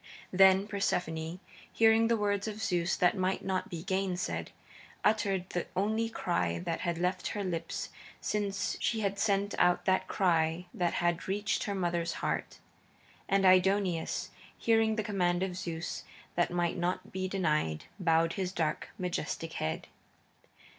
Then Persephone, hearing the words of Zeus that might not be gainsaid, uttered the only cry that had left her lips since she had sent out that cry that had reached her mother's heart. And Aidoneus, hearing the command of Zeus that might not be denied, bowed his dark, majestic head.